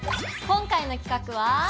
今回の企画は。